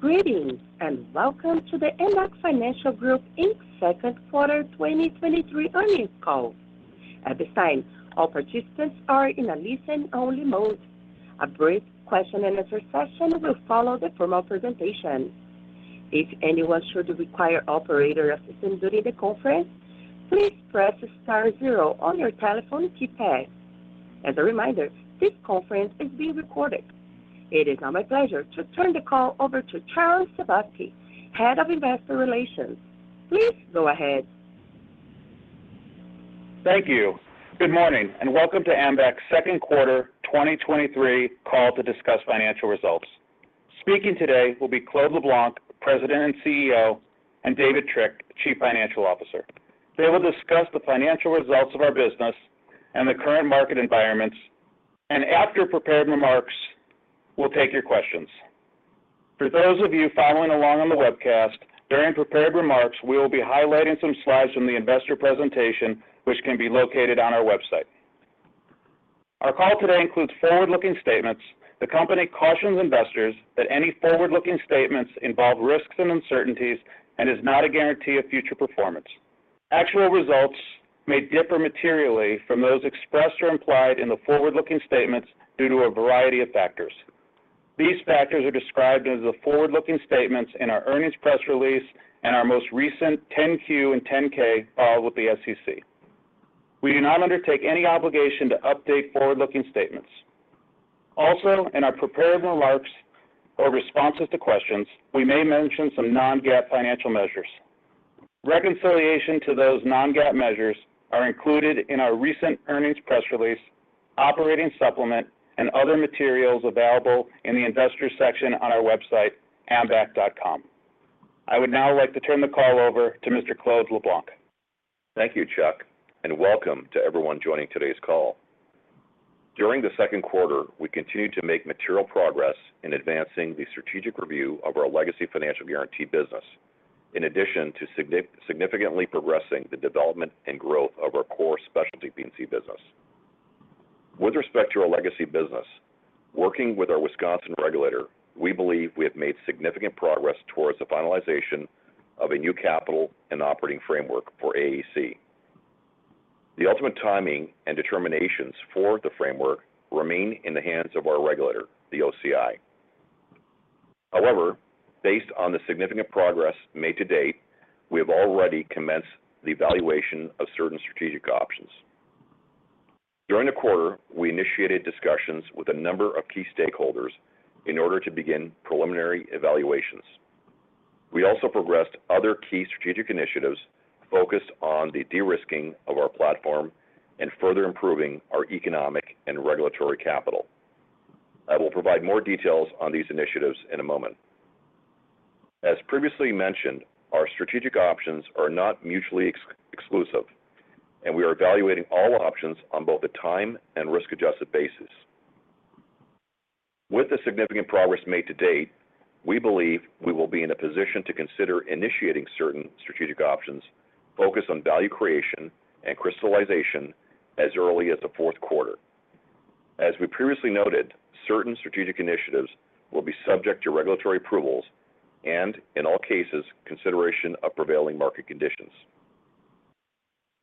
Greetings, welcome to the Ambac Financial Group Inc.'s second quarter 2023 earnings call. At this time, all participants are in a listen-only mode. A brief question-and-answer session will follow the formal presentation. If anyone should require operator assistance during the conference, please press star zero on your telephone keypad. As a reminder, this conference is being recorded. It is now my pleasure to turn the call over to Charles Sebaski, Head of Investor Relations. Please go ahead. Thank you. Good morning, and welcome to Ambac's second quarter 2023 call to discuss financial results. Speaking today will be Claude LeBlanc, President and CEO, and David Trick, Chief Financial Officer. They will discuss the financial results of our business and the current market environments, and after prepared remarks, we'll take your questions. For those of you following along on the webcast, during prepared remarks, we will be highlighting some slides from the investor presentation, which can be located on our website. Our call today includes forward-looking statements. The company cautions investors that any forward-looking statements involve risks and uncertainties and is not a guarantee of future performance. Actual results may differ materially from those expressed or implied in the forward-looking statements due to a variety of factors. These factors are described as the forward-looking statements in our earnings press release and our most recent 10-Q and 10-K filed with the SEC. We do not undertake any obligation to update forward-looking statements. Also, in our prepared remarks or responses to questions, we may mention some non-GAAP financial measures. Reconciliation to those non-GAAP measures are included in our recent earnings press release, operating supplement, and other materials available in the Investors section on our website, ambac.com. I would now like to turn the call over to Mr. Claude LeBlanc. Thank you, Charles, and welcome to everyone joining today's call. During the second quarter, we continued to make material progress in advancing the strategic review of our Legacy Financial Guarantee business, in addition to significantly progressing the development and growth of our core Specialty P&C business. With respect to our legacy business, working with our Wisconsin regulator, we believe we have made significant progress towards the finalization of a new capital and operating framework for AAC. The ultimate timing and determinations for the framework remain in the hands of our regulator, the OCI. However, based on the significant progress made to date, we have already commenced the evaluation of certain strategic options. During the quarter, we initiated discussions with a number of key stakeholders in order to begin preliminary evaluations. We also progressed other key strategic initiatives focused on the de-risking of our platform and further improving our economic and regulatory capital. I will provide more details on these initiatives in a moment. As previously mentioned, our strategic options are not mutually exclusive, and we are evaluating all options on both a time and risk-adjusted basis. With the significant progress made to date, we believe we will be in a position to consider initiating certain strategic options, focused on value creation and crystallization as early as the fourth quarter. As we previously noted, certain strategic initiatives will be subject to regulatory approvals and, in all cases, consideration of prevailing market conditions.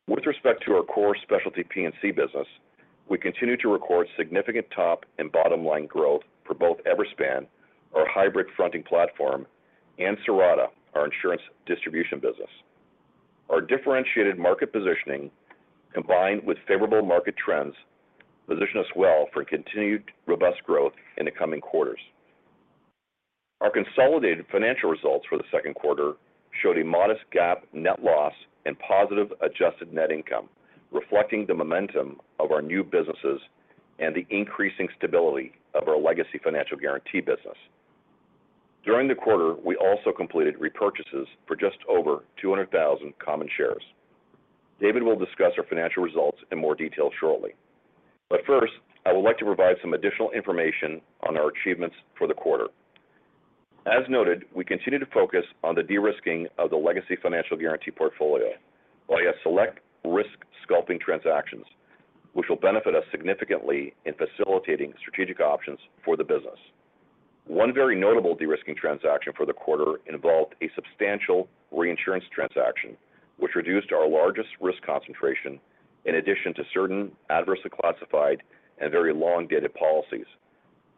With respect to our core Specialty P&C business, we continue to record significant top and bottom-line growth for both Everspan, our hybrid fronting platform, and Cirrata, our insurance distribution business. Our differentiated market positioning, combined with favorable market trends, position us well for continued robust growth in the coming quarters. Our consolidated financial results for the second quarter showed a modest GAAP net loss and positive adjusted net income, reflecting the momentum of our new businesses and the increasing stability of our Legacy Financial Guarantee business. During the quarter, we also completed repurchases for just over 200,000 common shares. David will discuss our financial results in more detail shortly. First, I would like to provide some additional information on our achievements for the quarter. As noted, we continue to focus on the de-risking of the Legacy Financial Guarantee portfolio via select risk sculpting transactions, which will benefit us significantly in facilitating strategic options for the business. One very notable de-risking transaction for the quarter involved a substantial reinsurance transaction, which reduced our largest risk concentration, in addition to certain adversely classified and very long-dated policies.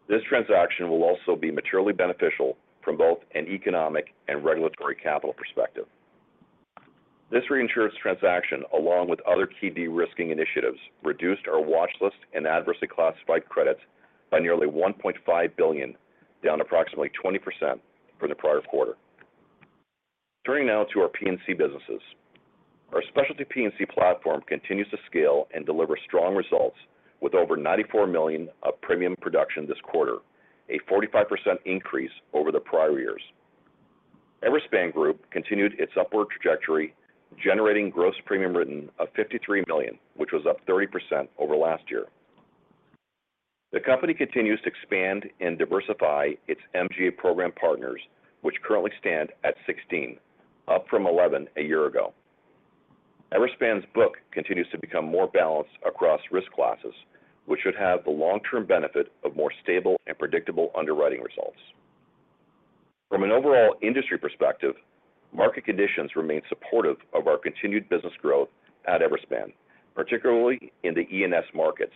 This transaction will also be materially beneficial from both an economic and regulatory capital perspective. This reinsurance transaction, along with other key de-risking initiatives, reduced our watchlist and adversely classified credits by nearly $1.5 billion, down approximately 20% for the prior quarter. Turning now to our P&C businesses. Our Specialty P&C platform continues to scale and deliver strong results with over $94 million of premium production this quarter, a 45% increase over the prior years. Everspan Group continued its upward trajectory, generating gross premium written of $53 million, which was up 30% over last year. The company continues to expand and diversify its MGA program partners, which currently stand at 16, up from 11 a year ago. Everspan's book continues to become more balanced across risk classes, which should have the long-term benefit of more stable and predictable underwriting results. From an overall industry perspective, market conditions remain supportive of our continued business growth at Everspan, particularly in the E&S markets.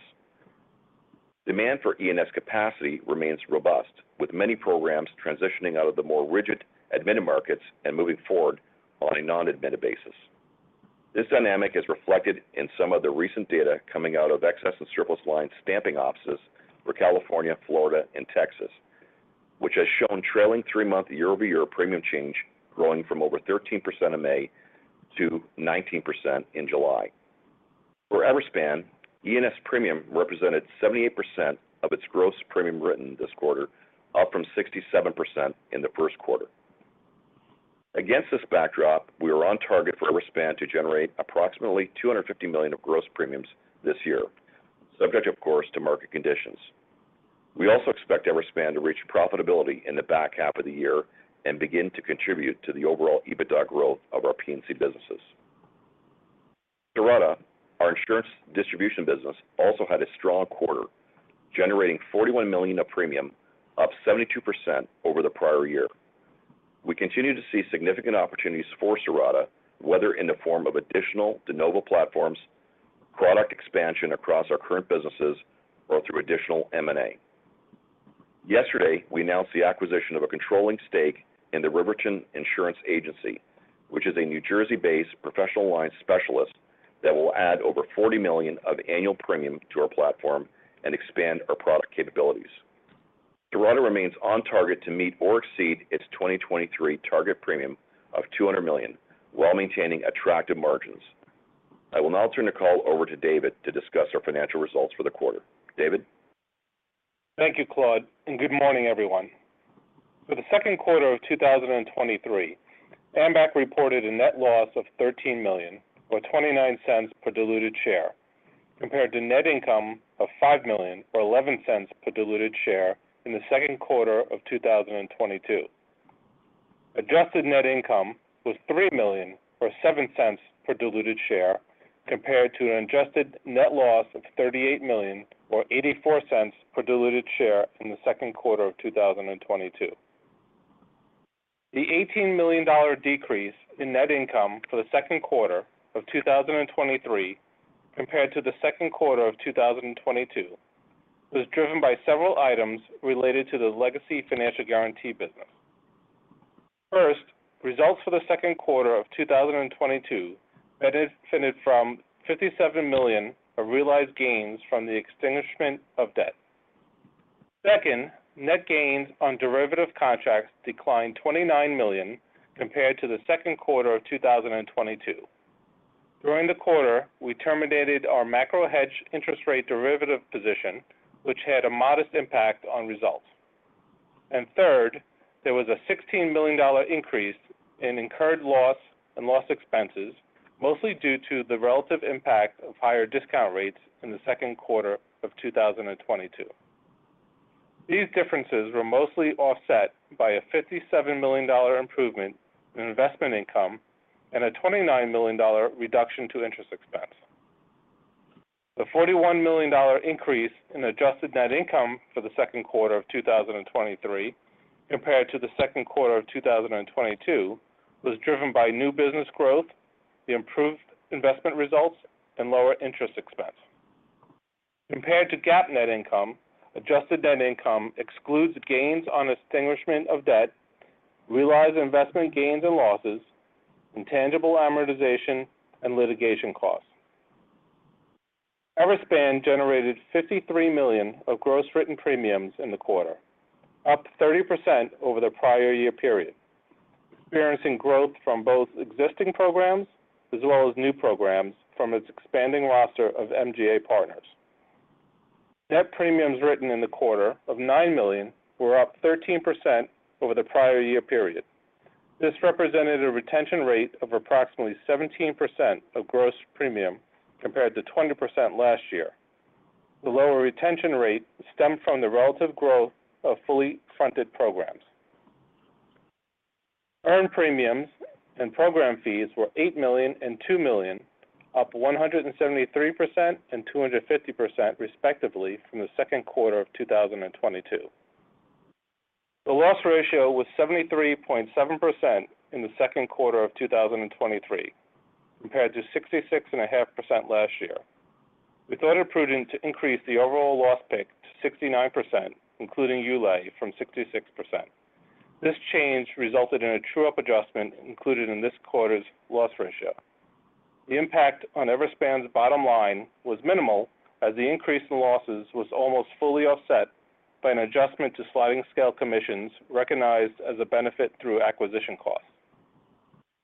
Demand for E&S capacity remains robust, with many programs transitioning out of the more rigid admitted markets and moving forward on a non-admitted basis. This dynamic is reflected in some of the recent data coming out of excess and surplus line stamping offices for California, Florida, and Texas, which has shown trailing three-month year-over-year premium change growing from over 13% in May to 19% in July. For Everspan, E&S premium represented 78% of its gross premium written this quarter, up from 67% in the first quarter. Against this backdrop, we are on target for Everspan to generate approximately $250 million of gross premiums this year, subject, of course, to market conditions. We also expect Everspan to reach profitability in the back half of the year and begin to contribute to the overall EBITDA growth of our P&C businesses. Cirrata, our insurance distribution business, also had a strong quarter, generating $41 million of premium, up 72% over the prior year. We continue to see significant opportunities for Cirrata, whether in the form of additional de novo platforms, product expansion across our current businesses, or through additional M&A. Yesterday, we announced the acquisition of a controlling stake in the Riverton Insurance Agency, which is a New Jersey-based professional lines specialist that will add over $40 million of annual premium to our platform and expand our product capabilities. Cirrata remains on target to meet or exceed its 2023 target premium of $200 million, while maintaining attractive margins. I will now turn the call over to David to discuss our financial results for the quarter. David? Thank you, Claude, and good morning, everyone. For the second quarter of 2023, Ambac reported a net loss of $13 million, or $0.29 per diluted share, compared to net income of $5 million or $0.11 per diluted share in the second quarter of 2022. Adjusted net income was $3 million or $0.07 per diluted share, compared to an adjusted net loss of $38 million or $0.84 per diluted share in the second quarter of 2022. The $18 million decrease in net income for the second quarter of 2023 compared to the second quarter of 2022 was driven by several items related to the Legacy Financial Guarantee business. First, results for the second quarter of 2022 benefited from $57 million of realized gains from the extinguishment of debt. Second, net gains on derivative contracts declined $29 million compared to the second quarter of 2022. During the quarter, we terminated our macro hedge interest rate derivative position, which had a modest impact on results. Third, there was a $16 million increase in incurred loss and loss expenses, mostly due to the relative impact of higher discount rates in the second quarter of 2022. These differences were mostly offset by a $57 million improvement in investment income and a $29 million reduction to interest expense. The $41 million increase in adjusted net income for the second quarter of 2023, compared to the second quarter of 2022, was driven by new business growth, the improved investment results, and lower interest expense. Compared to GAAP net income, adjusted net income excludes gains on extinguishment of debt, realized investment gains and losses, intangible amortization, and litigation costs. Everspan generated $53 million of gross written premiums in the quarter, up 30% over the prior year period, experiencing growth from both existing programs as well as new programs from its expanding roster of MGA partners. Net premiums written in the quarter of $9 million were up 13% over the prior year period. This represented a retention rate of approximately 17% of gross premium, compared to 20% last year. The lower retention rate stemmed from the relative growth of fully fronted programs. Earned premiums and program fees were $8 million and $2 million, up 173% and 250% respectively from the second quarter of 2022. The loss ratio was 73.7% in the second quarter of 2023, compared to 66.5% last year. We thought it prudent to increase the overall loss pick to 69%, including ULAE, from 66%. This change resulted in a true-up adjustment included in this quarter's loss ratio. The impact on Everspan's bottom line was minimal, as the increase in losses was almost fully offset by an adjustment to sliding scale commissions recognized as a benefit through acquisition costs.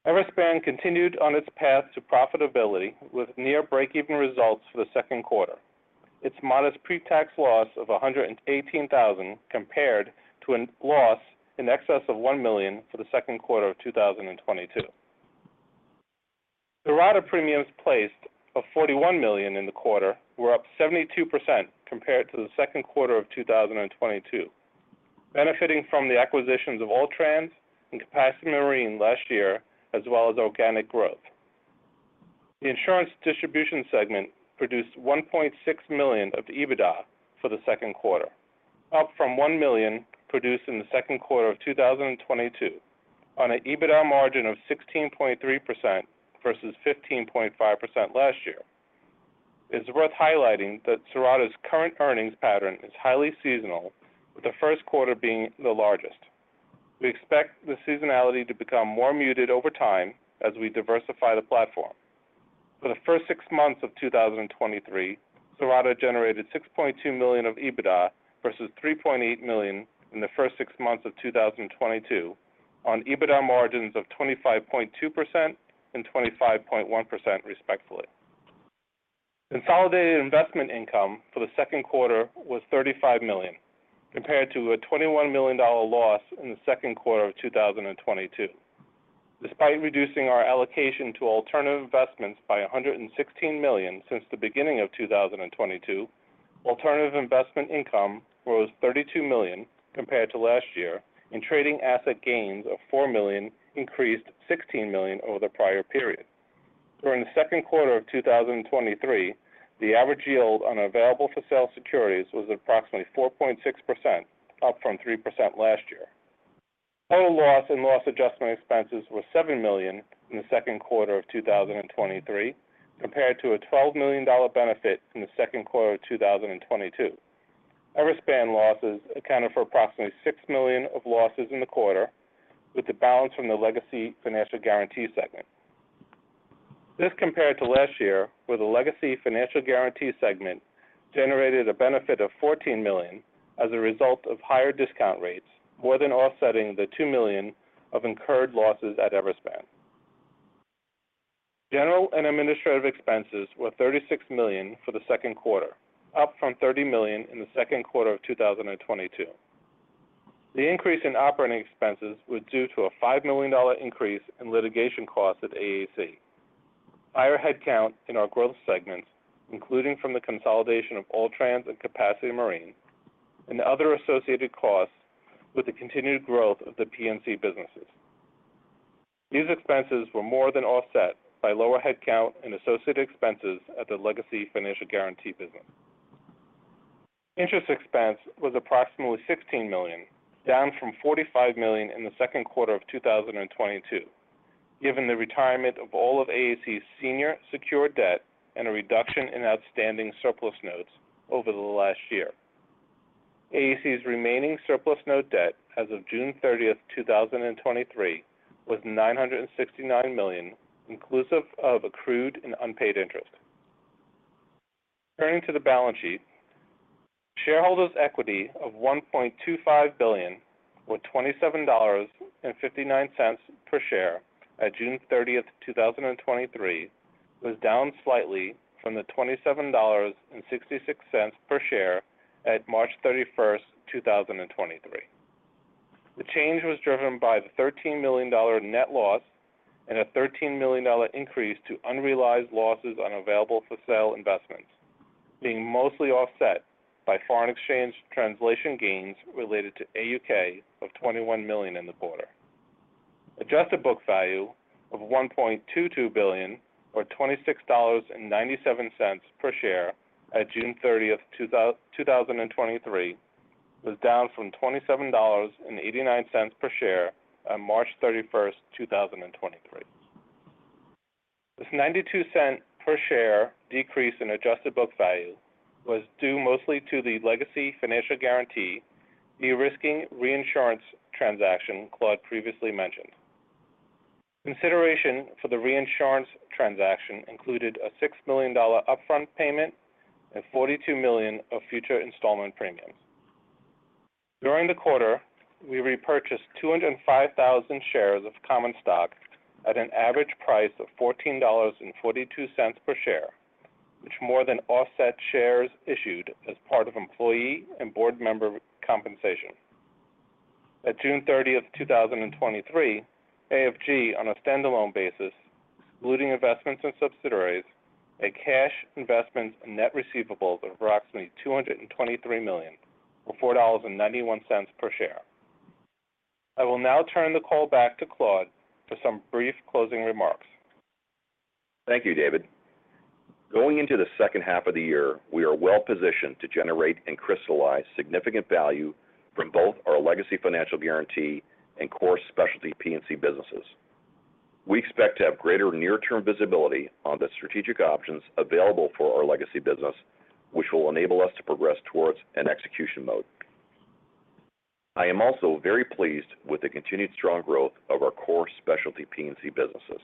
Everspan continued on its path to profitability with near break-even results for the second quarter. Its modest pre-tax loss of $118,000 compared to a loss in excess of $1 million for the second quarter of 2022. Cirrata premiums placed of $41 million in the quarter were up 72% compared to the second quarter of 2022, benefiting from the acquisitions of All Trans and Capacity Marine last year, as well as organic growth. The insurance distribution segment produced $1.6 million of EBITDA for the second quarter, up from $1 million produced in the second quarter of 2022, on an EBITDA margin of 16.3% versus 15.5% last year. It's worth highlighting that Cirrata's current earnings pattern is highly seasonal, with the first quarter being the largest. We expect the seasonality to become more muted over time as we diversify the platform. For the first six months of 2023, Cirrata generated $6.2 million of EBITDA versus $3.8 million in the first six months of 2022, on EBITDA margins of 25.2% and 25.1%, respectfully. Consolidated investment income for the second quarter was $35 million, compared to a $21 million loss in the second quarter of 2022. Despite reducing our allocation to alternative investments by $116 million since the beginning of 2022, alternative investment income rose $32 million compared to last year, and trading asset gains of $4 million increased $16 million over the prior period. During the second quarter of 2023, the average yield on available for sale securities was approximately 4.6%, up from 3% last year. Total loss and loss adjustment expenses were $7 million in the second quarter of 2023, compared to a $12 million benefit in the second quarter of 2022. Everspan losses accounted for approximately $6 million of losses in the quarter, with the balance from the Legacy Financial Guarantee segment. This compared to last year, where the Legacy Financial Guarantee segment generated a benefit of $14 million as a result of higher discount rates, more than offsetting the $2 million of incurred losses at Everspan. General and administrative expenses were $36 million for the second quarter, up from $30 million in the second quarter of 2022. The increase in operating expenses was due to a $5 million increase in litigation costs at AAC. Higher headcount in our growth segments, including from the consolidation of All Trans and Capacity Marine, and other associated costs with the continued growth of the P&C businesses. These expenses were more than offset by lower headcount and associated expenses at the Legacy Financial Guarantee business. Interest expense was approximately $16 million, down from $45 million in the second quarter of 2022, given the retirement of all of AAC's senior secured debt and a reduction in outstanding surplus notes over the last year. AAC's remaining surplus note debt as of June 30th, 2023, was $969 million, inclusive of accrued and unpaid interest. Turning to the balance sheet, shareholders equity of $1.25 billion, or $27.59 per share at June 30, 2023, was down slightly from the $27.66 per share at March 31, 2023. The change was driven by the $13 million net loss and a $13 million increase to unrealized losses on available for sale investments, being mostly offset by foreign exchange translation gains related to AUK of $21 million in the quarter. Adjusted book value of $1.22 billion, or $26.97 per share at June 30, 2023, was down from $27.89 per share on March 31, 2023. This $0.92 per share decrease in adjusted book value was due mostly to the Legacy Financial Guarantee, de-risking reinsurance transaction Claude previously mentioned. Consideration for the reinsurance transaction included a $6 million upfront payment and $42 million of future installment premiums. During the quarter, we repurchased 205,000 shares of common stock at an average price of $14.42 per share, which more than offset shares issued as part of employee and board member compensation. At June 30, 2023, AFG, on a standalone basis, excluding investments in subsidiaries, a cash investments and net receivables of approximately $223 million, or $4.91 per share. I will now turn the call back to Claude for some brief closing remarks. Thank you, David. Going into the second half of the year, we are well positioned to generate and crystallize significant value from both our Legacy Financial Guarantee and core Specialty P&C businesses. We expect to have greater near-term visibility on the strategic options available for our legacy business, which will enable us to progress towards an execution mode. I am also very pleased with the continued strong growth of our core Specialty P&C businesses.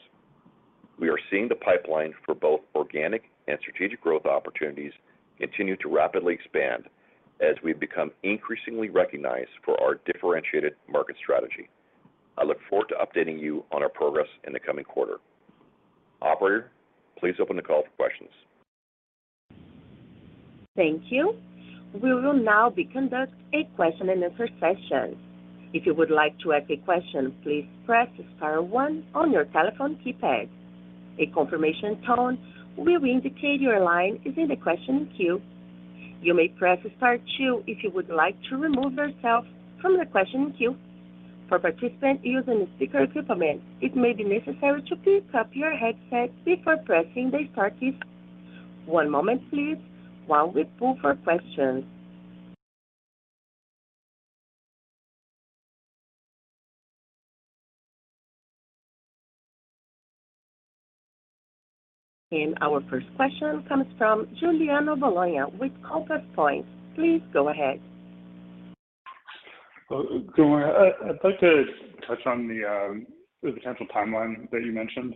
We are seeing the pipeline for both organic and strategic growth opportunities continue to rapidly expand as we've become increasingly recognized for our differentiated market strategy. I look forward to updating you on our progress in the coming quarter. Operator, please open the call for questions. Thank you. We will now be conduct a question and answer session. If you would like to ask a question, please press star one on your telephone keypad. A confirmation tone will indicate your line is in the questioning queue. You may press star two if you would like to remove yourself from the questioning queue. For participants using speaker equipment, it may be necessary to pick up your headset before pressing the star key. One moment please, while we pull for questions. Our first question comes from Giuliano Bologna with Compass Point. Please go ahead. Good morning. I, I'd like to touch on the potential timeline that you mentioned.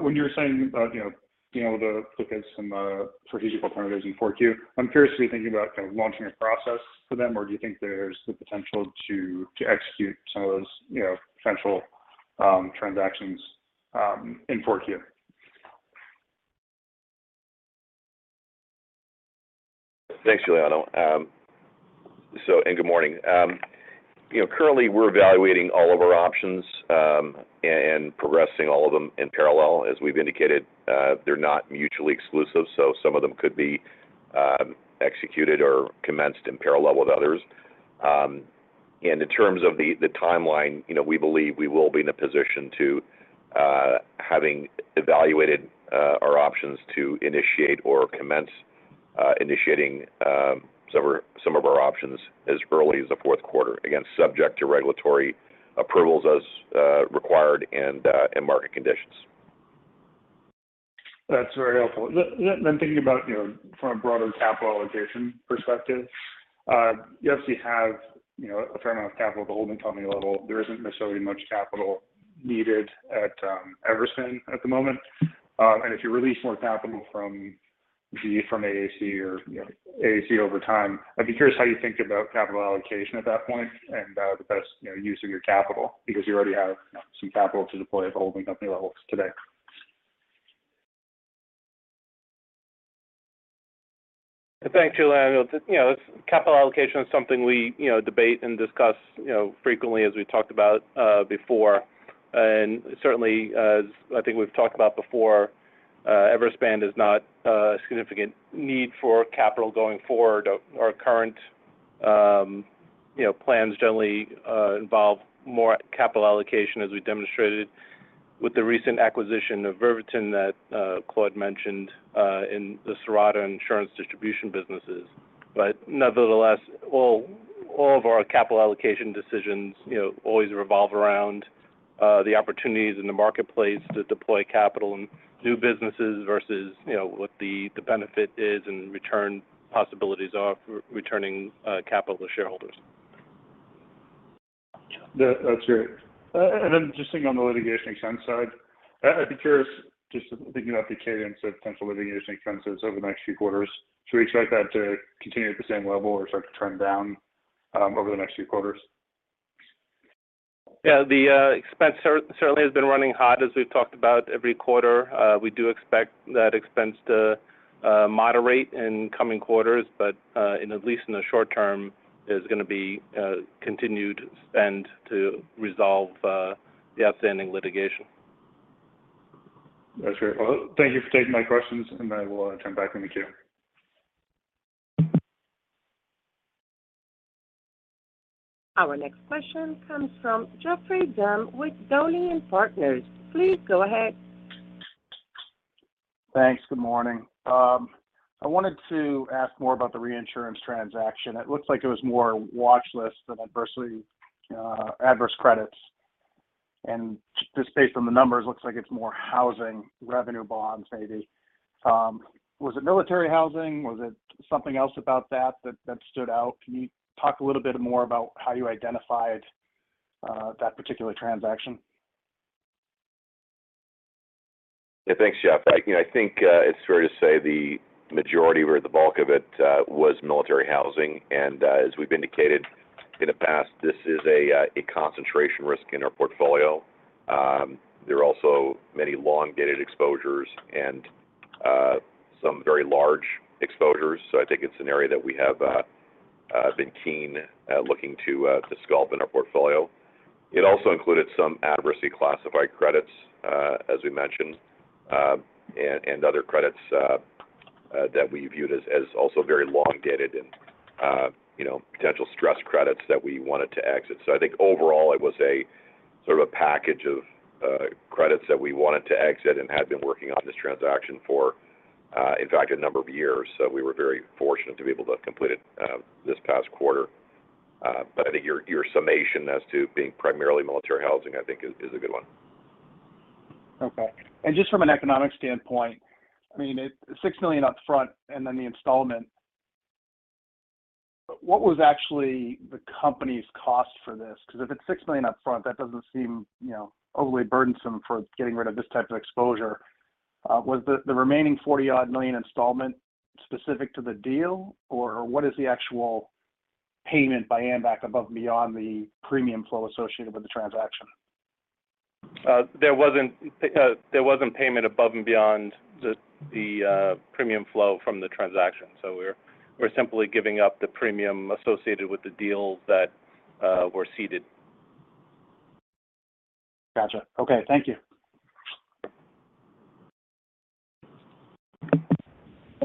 When you were saying that, you know, you know, the look at some strategic alternatives in four Q, I'm curiously thinking about kind of launching a process for them, or do you think there's the potential to, to execute some of those, you know, potential transactions in four Q? Thanks, Giuliano. Good morning. You know, currently we're evaluating all of our options, and, and progressing all of them in parallel. As we've indicated, they're not mutually exclusive, so some of them could be, executed or commenced in parallel with others. In terms of the, the timeline, you know, we believe we will be in a position to, having evaluated, our options to initiate or commence, initiating, some of our, some of our options as early as the fourth quarter. Again, subject to regulatory approvals as, required and, and market conditions. That's very helpful. Then thinking about, you know, from a broader capital allocation perspective, you obviously have, you know, a fair amount of capital at the holding company level. There isn't necessarily much capital needed at Everspan at the moment. If you release more capital from the, from AAC or, you know, AAC over time, I'd be curious how you think about capital allocation at that point and the best, you know, use of your capital, because you already have some capital to deploy at the holding company levels today. Thanks, Giuliano. You know, capital allocation is something we, you know, debate and discuss, you know, frequently, as we talked about before. Certainly, as I think we've talked about before, Everspan is not a significant need for capital going forward. Our current, you know, plans generally involve more capital allocation, as we demonstrated with the recent acquisition of Riverton that Claude mentioned in the Cirrata insurance distribution businesses. Nevertheless, all, all of our capital allocation decisions, you know, always revolve around the opportunities in the marketplace to deploy capital and new businesses versus, you know, what the, the benefit is and return possibilities are for returning capital to shareholders. Yeah, that's great. Then just thinking on the litigation expense side, I, I'd be curious, just thinking about the cadence of potential litigation expenses over the next few quarters, do we expect that to continue at the same level or start to trend down, over the next few quarters? Yeah, the expense certainly has been running hot, as we've talked about every quarter. We do expect that expense to moderate in coming quarters, but in at least in the short term, is gonna be continued spend to resolve the outstanding litigation. That's great. Well, thank you for taking my questions. I will return back in the queue. Our next question comes from Geoffrey Dunn with Dowling & Partners. Please go ahead. Thanks. Good morning. I wanted to ask more about the reinsurance transaction. It looks like it was more watchlist than adversely adverse credits. And just based on the numbers, it looks like it's more housing revenue bonds, maybe. Was it military housing? Was it something else about that, that, that stood out? Can you talk a little bit more about how you identified that particular transaction? Yeah, thanks, Jeff. I, you know, I think it's fair to say the majority or the bulk of it was military housing. As we've indicated in the past, this is a concentration risk in our portfolio. There are also many long-dated exposures and some very large exposures. I think it's an area that we have been keen looking to sculpt in our portfolio. It also included some adversity-classified credits, as we mentioned, and other credits that we viewed as also very long-dated and, you know, potential stress credits that we wanted to exit. I think overall, it was a sort of a package of credits that we wanted to exit and had been working on this transaction for, in fact, a number of years. We were very fortunate to be able to complete it, this past quarter. I think your, your summation as to being primarily military housing, I think is, is a good one. Okay. Just from an economic standpoint, I mean, $6 million up front and then the installment, what was actually the company's cost for this? Because if it's $6 million up front, that doesn't seem, you know, overly burdensome for getting rid of this type of exposure. Was the, the remaining $40 odd million installment specific to the deal? Or what is the actual payment by Ambac above and beyond the premium flow associated with the transaction? there wasn't, there wasn't payment above and beyond the, the, premium flow from the transaction, so we're, we're simply giving up the premium associated with the deals that, were seeded. Gotcha. Okay, thank you.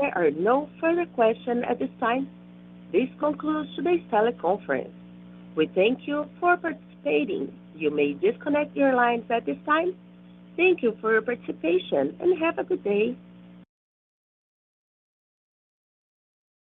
There are no further questions at this time. This concludes today's teleconference. We thank you for participating. You may disconnect your lines at this time. Thank you for your participation, and have a good day.